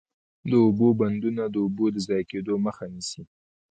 د اوبو بندونه د اوبو د ضایع کیدو مخه نیسي.